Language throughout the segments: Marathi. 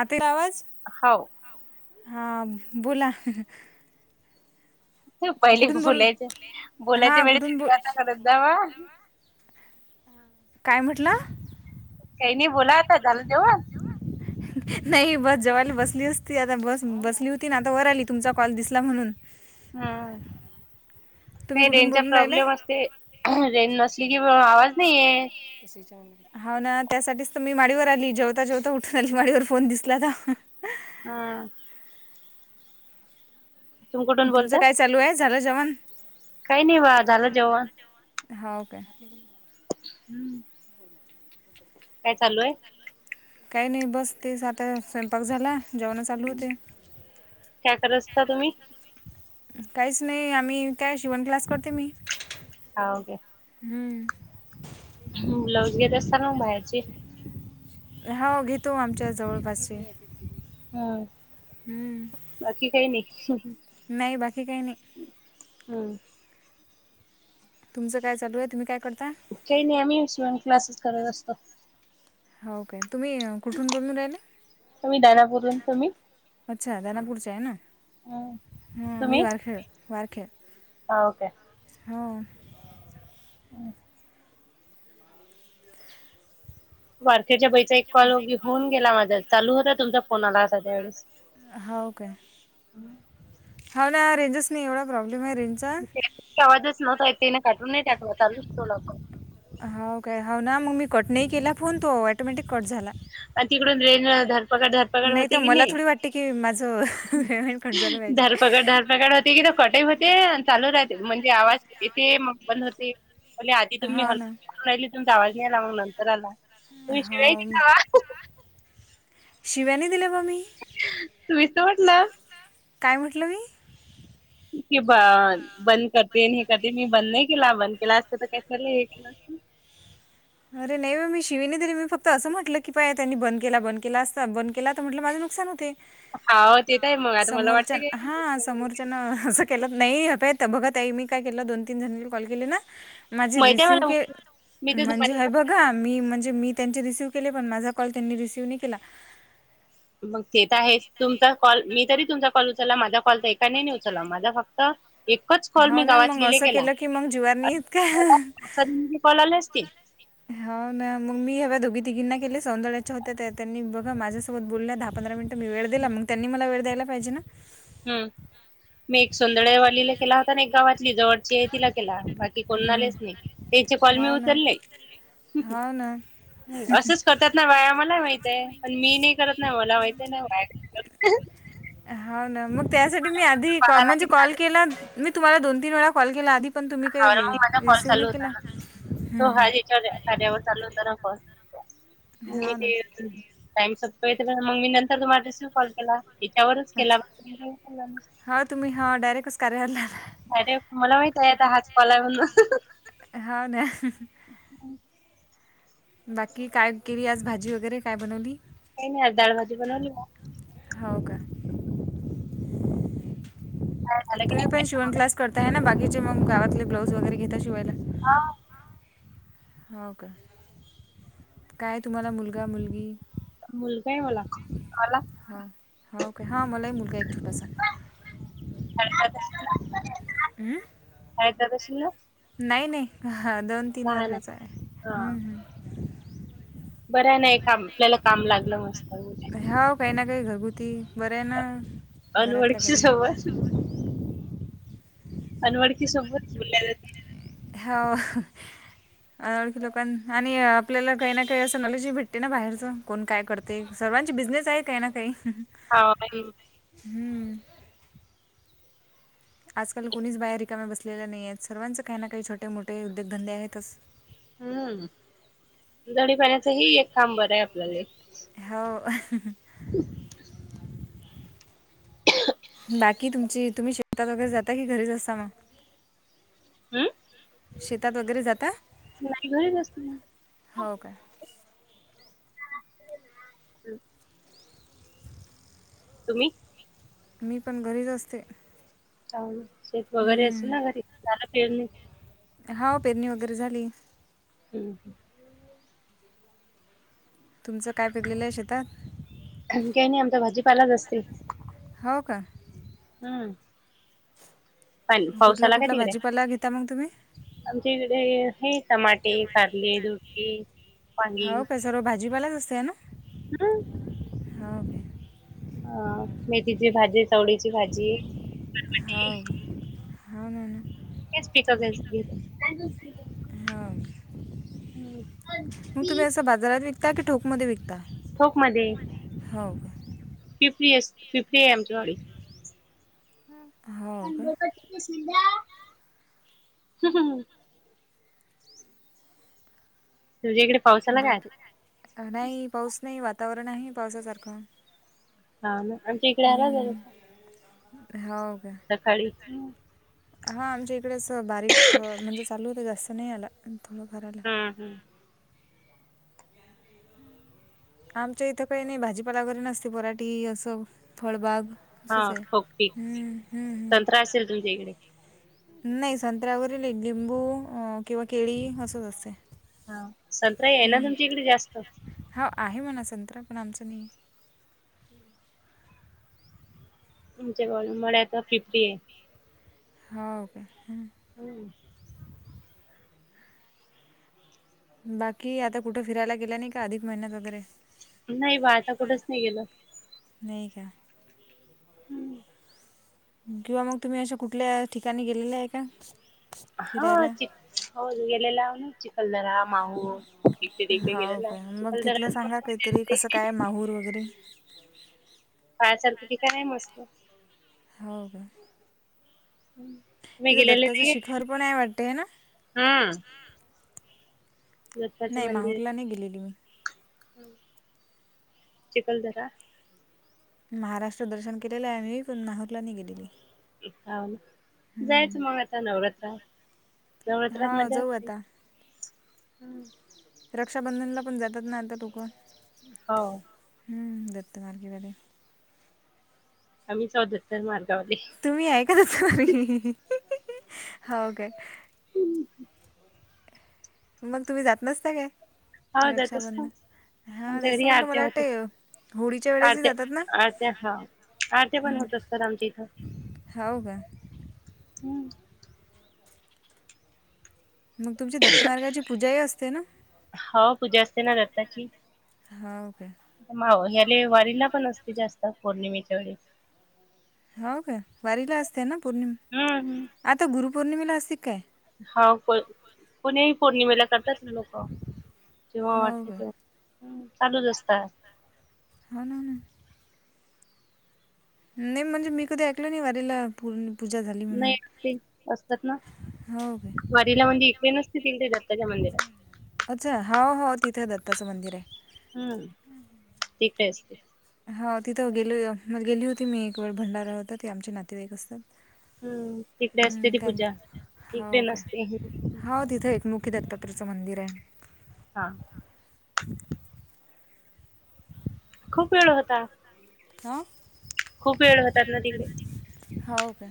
आता येईल आवाज हो हो हा बोला पहिले कुठून बोल बोलायचे, हा बोलायच्या वेळेस कुठून बोल विचार तर करत जावा. काय म्हटला? काही नाही बोला आता, झालं जेवन नाही बस जेवयला बसली असती आता बस बसली होती ना आता वर आली तुमचा कॉल दिसला म्हणून. हम्. तुम्ही काही कुठून रेंजचा बोलून राहिले प्रॉब्लेम असते रेंज नसली की आवाज नाही येत. होा ना त्यासाठीच तर मी माडीवर आली, जेवता जेवता उठून आली माडीवर फोन दिसला ना. हा. तुम्ही कुठून तुमचं बोलता काय चालू आहे, झालं जेवण? काही नाही व, झालं जेवण. हौ का? हम्म काय चालू आहे? काही नाही बस तेच, आता स्वयंपाक झाला. जेवणं चालू होते काय करत असता तुम्ही? काहीच नाही आम्ही काय शिवण क्लास करते मी हा ओके. हम् ब्लाऊज घेत असताना बाहेरची हो घेतो आमच्या जवळपासचे हम् हम्म. बाकी काही नाही नाही बाकी काही नाही. हम्म तुमच काय चालू आहे, तुम्ही काय करता? काही नाही आम्ही शिवण क्लासेस करत असतो. हो काय तुम्ही कुठून बोलून राहिल आम्ही दानापूरून तुम्ही अच्छा दानापूरचे आहे ना. हा मी तुम्ही वारखेळ वारखेळ हाव काय हो [inaudible] वारखेळच्या बाईचा एक कॉल होऊन गेला माझा चालू होता तुमचा फोन आला त्यावेेळेस हो का, हा ना रेंजच नाही एवढा प्रॉब्लेम आहे रेंजचा आवाजच नव्हता तिने काटून नाही टाकत हो काय ह ना मग मी कट नाही केला फोन तो ऑटोमॅटिक कट झाला. आणि तिकडून रेंज धरपकड धरपकड तर होती की मला नाही थोडी वाटते की माझं पेमेंट कट झालं धरपकड पाहिजे धरपकड होते कि कट ही होते चालू राहते म्हणजे आवाज येते मग बंद होते आधी तुम्ही हो ना हॅलो आवाज नाही आला मगं नंतर आला तुम्ही शिवा शिव्या नाही दिल्या मग? मी सोडलं काय म्हटलं मी कि बा बंद करते आणि हे करते, मी बंद नाही केला बंद केला असता तर काय [unintelligible] [inaudible] अरे नाही बा मी शिवीने तरी मी फक्त असं म्हटलं की पहा त्यांनी बंद केला बंद केला अस बंद केला तर म्हटलं माझ. सांगते. हाव ते तर आहे मग आता मला समोरच्या वाटते काय हा समोरच्यांना असं. केलं नाही. बघा ताई मी काय केलं दोन तीन जणीना कॉल केले ना. माझी माहिती आहे रिसीव्ह मला केले मी तर माझे. माझ्या बघा मी म्हणजे मी त्यांचे रिसीव्ह केले पण माझा कॉल त्यांनी रिसीव्ह नाही केला. मग तेे तर आहेच, तुमचा कॉल मी तरी. तुमचा कॉल उचलला, माझा कॉल तर एकानेही नाही उचलला, माझा फक्त. एकच कॉल हो मी ना गावात मग लिले असं केला केलं की मग जिवारनी इतका [unintelligible] कॉल आले असतील हो ना मग मी हे दुगी तिघींना केले सौंदाळ्याच्या होत त्या त्यांनी बघा माझ्यासोबत बोलल्या दहा पंधरा मिनटं मी वेळ दिला मग त्यांनी मला वेळ द्यायला पाहिजे ना हम्म मी एक सोंदळेवालीला केला होता ना एक गावातली जवळची आहे तिला केला बाकी हं. कोणालेच नाही त्याचे कल मी उचलले हा ना हम असंच करतात ना बाया मलाही माहितीये पण मी नाही करत नाही मला माहित आहे [unintelligible] होा ना मग त्यासाठी मला मी आधी कॉ कॉल आला म्हणजे की कॉल माझा केला मी तुम्हाला दोन तीन वेळा कॉल केला आधी पण तुम्ही हा काही मग माझा कॉल रिसिव्ह चालू नाही होता केला ना हं, तो हा हं. याच्या कार्यावर. मी हो ना ते टाईम सपतो मग मी नंतर तुम्हा रिसवी कॉल केला. इच्यावरच केला. अच्छा कर आल्या. अरे मला माहित आहे आता हाच कॉल आला. हा ना. बाकी काय केली आज भाजी वगैरे काय बनवली. काय नाही दाळ भाजी बनवली. होव का. काय झालं की तुम्ही नाही पण शिवण क्लास करताय ना बाकीचे मग गावातले ब्लाऊज वगैरे घेता शिवायला. हा. हो का काय तुम्हाला मुलगा मुलगी. मुलगा आहे मला मला. ओे हां मलाही मुलगा एक छोटासा. का हम. गसया नाही नाही ह दोन तीन वर्षाचा आहे हा ह. बरं नाही का आपल्याला काम लागलं मस्त. े घरगुती बर आहे ना घरातल्या अनवळखी घरी. सोबत अनओळकी सोबत बोलल्या जाते. ह अनओळखी लोकां आणि आपल्याला काही ना काही असं नॉलेज ही भेटते ना बाहेरच कोण काय करते. सर्वांची बिझनेस आहे काही ना काही. हा. हम. आजकाल कोणीच बाया रिकाम्या बसलेल्या नाही आहेत सर्वांचे काही ना काही छोटे मोठे उद्योगधंदे आहेतच. हम्म दडी पाण्याच ह एक काम बरं आहे आपल्याला. हो. बाकी तुमची तुम्ही शेतात वगैरे जाता कि घरीच असता मग. हम्म शेतात वगैरे जाता. मई घरीच अस ना हो का हम् तुम्ही मी पण घरीच असते शेफ वगैरे असेल ना घरी झाला पेर नाही हाव पेरणी वगैरे झाली हम्म ह तुमचं काय पिकलेलं आहे शेतात. काही नाही आमचा भाजीपालाच असते हो का हम्म. पण पाऊसा कुठला आला काय कुठला तिकडे. भाजीपाला घेता मग तुम्ही आमच्या इकडे हे टमाटे कारले दु हो काय सर्व भाजीपालाच असतेय ना. हम्. हो काय. ह मेथीची भाजी चवळीची भाजी. हो हो ना हो [unintelligible] मग तुम्ही असं बाजारात विकता की ठोकमध्ये विकता. ठोक मध्ये हो फिफ्टी येस फिफ्टिमचिवडी हम् [unintelligible] तुझ्या इकडे पावसाला काय? बाकी नाही पाऊस नाही वातावरण आहे पावसासारखं हा म आमच्या इकडे आला हम्म. जसा हो सकाळी ह हा आमच्या इकडेच बारीक अ म्हणजे चालू होत जास्त नाही आला थोडंफार आला हम्म हम्म आमच्या इथं काही नाही भाजीपाला घरी नसते पराठी असं फळबाग असंच आहे हो पीक पीक हम्म, हम्म, सत्रा हम्म. असेल तुमच्या इकडे नाही संत्र्यावरील लिंबू किंवा केळी असच असते संत्राही आहे ना हम्म तुमच्या इकडे जास्त हो आहे म्हणा संत्रा पण आपण आम्हिच आमच्या गावात मळ्यात पिपि आहे हो काे ह हम्म बाकी आता कुठं फिरायला गेला नाही का अधिक मेहीन्यात वगैरे नाही बा आता कुठंच नाही गेलो नाही का हम्म किंवा मग तुम्ही अशा कुठल्या ठिकाणी गेलेल्या आहे का हा फिरायला चि हो गेलेलान चिखलदार माह एकटे टेट हाव केेल्याला काय मग चुकाला तिथलं सांगा काहीतरी तर कसं काय माहूर वगैरे पाय [unintelligible] की नाही मस्त हो का मी तिथं दत्ताचं गेलेले शिखर पण आहे वाटते आहे ना ना हा नाही माहुरला नाही गेलेली मी चिखलदरा महाराष्ट्र दर्शन केलेलं आहे आ मही माहुरला नाही गेलेली हन जायचं हम्म मग आता नवरात्रात नवरात्रात हा मज्जा जाऊ असते आता हम्म रक्षाबंधनला पण जातात ना आता तुकं हो हम्म दत्त मार्गी बर आम्ही चौदतर मारो तुम्ही आहे का त त हाव काय मग तुम्ही जात नसता काय हव जाय तस रक्षाबंधन हां आमच्या तेच तर घरी म्हटलं मला आरत्या होत वाटते होळीच्या वेळेसही आरत्या जातात ना आरत्या हा आर्ते पण होत असतात आमच्या इथं होव का हम्म मग तुमची दत्तमार्गाची पूजाही असते ना हो पूजा असते ना दत्ताची हो काय माव ह्याले वारींला पण असते जास्त पौर्णिमेच्या वेळेस हो का वारीला असते ना पौर्णिम हम्म आता गुरुपौर्णिमेला असते काय हा को कुणीही पौर्णिमेला करतात लोक जेव्हा हो वाटते काय तेव्हा चालूच असतात होा न ना नाही म्हणजे मी कधी ऐकलो नाही वारीला पूर्ण पूजा झाली म्हणून नाही ते असतात ना हो काय वारीला म्हणजे इकडे नसते तीनथ दत्ताच्या मंदिरात अच्छा हो हो तिथे दत्ताचं मंदिर आहे हम्म तेकय असते हा तिथं गेली गेली होती मी एक वेळ भंडारा होत ते आमचे नातेवाईक असतं हम्म तिकडे असते हम् ती त्यां पूजा इकडे हो का नसते हा हो तिथे एकमु की दत्तपुरचं मंदिर आहे हा [inaudible] खूप वेळ होता ह खूप वेळ होतात ना तिकडे ठीे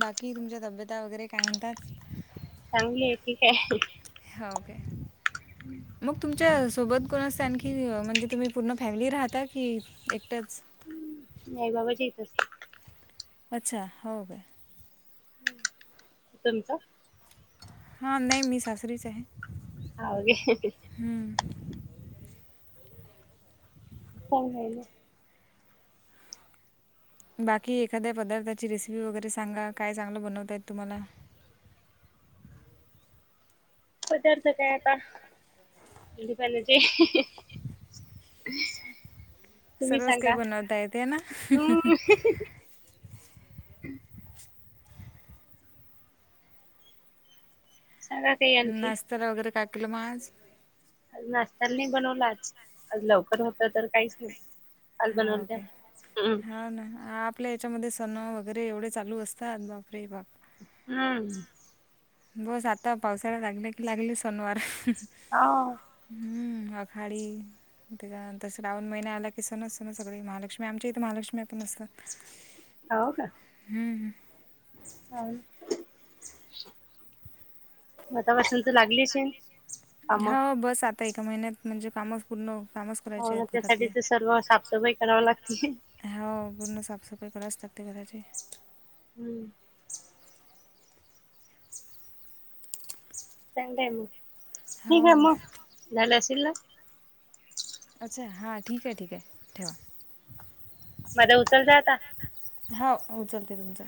बाकी तुमच्या तब्यता वगैरे काय म्हणतात चांगलीय ठीक आहे हां ओके मग तुमच तुमच्या सोबत कोण असते आणखी म्हणजे तुम्ही पूर्ण फॅमिली राहता की एकटाच नाही बाबा ज येतच. अच्छा हो का. तूमचा हा नाही मी सासरीच आहे हगे हम्म. स ना बाकी एखाद्या पदार्थाची रेसिपी वगैरे सांगा काय चांगलं बनवताय तुम्हाला [inaudible] पदारथ कायता पचे आणि तुम्ही सर्वच काही सांगा बनवता येते ना हम् सांगा काही आणखी नतरा वगैरे कापलं माज नाशताला नाही बनवलाच लवकर होत तर काहीच नाही आज बनवलत्या होके हम्म हा ना आपल्या याच्यामध्ये सणं वगैरे एवढे चालू असतात बापरे बाप हम्म बस आता पावसाळ्यात लागलं की लागले सोनवार हो हम्म अखाडी ते तस रावण महिन्या आला कि सन असत ना सगळी महालक्ष्मी आमच्या इथे महालक्ष्मी पण असत अस होव का हम् ह. [unintelligible] मतापासून त लागलेच आहे काम. हो बस आता एका महिन्यात म्हणजे कामच पूर्ण हो हो ना त्यासाठीच सर्व साफसफाई कर हो पूर्ण साफसफाई करावीच लागते घराची हम्म संडेय मग हो ठीक आहे म झालं अशील ना अच्छा हां ठीक आहे ठीक आहे ठेवा. मध्ये उचलताय आता हा उचलते तुमचं